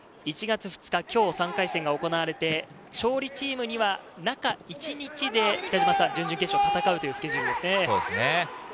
１月２日、今日３回戦が行われて勝利チームは中一日で準々決勝を戦うというスケジュールですね。